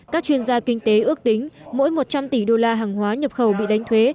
các chuyên gia kinh tế ước tính mỗi một trăm linh tỷ đô la hàng hóa nhập khẩu bị đánh thuế